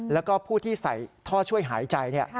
แล้วก็ผู้ที่ใส่ท่อช่วยหายใจ